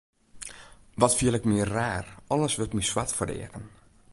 Wat fiel ik my raar, alles wurdt my swart foar de eagen.